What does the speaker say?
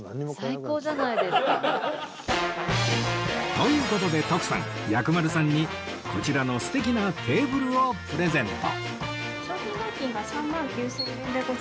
という事で徳さん薬丸さんにこちらの素敵なテーブルをプレゼント